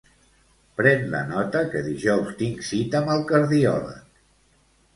Pren la nota que dijous tinc cita amb el cardiòleg.